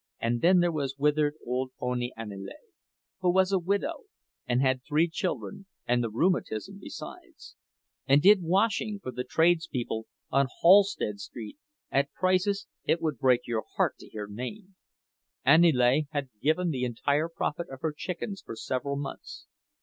And then there was withered old poni Aniele—who was a widow, and had three children, and the rheumatism besides, and did washing for the tradespeople on Halsted Street at prices it would break your heart to hear named. Aniele had given the entire profit of her chickens for several months.